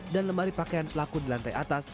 dan lemari pakaian pelaku di lantai atas